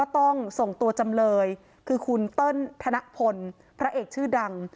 ต้องส่งตัวจำเลยคือคุณเติ้ลธนพลพระเอกชื่อดัง